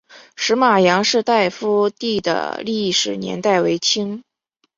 石码杨氏大夫第的历史年代为清。